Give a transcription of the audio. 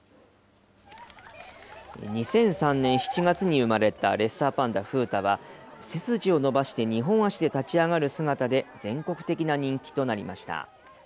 ２００３年７月に生まれたレッサーパンダ、風太は、背筋を伸ばして２本足で立ち上がる姿で全国的な人気となりました。